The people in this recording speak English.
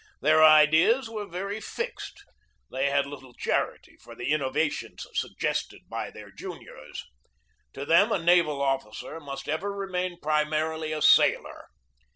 Their ideas were very fixed. They had little charity for the innovations suggested by their juniors. To them a naval officer must ever remain primarily a sailor.